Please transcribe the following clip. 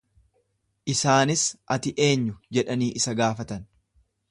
Isaanis, Ati eenyu? jedhanii isa gaafatan.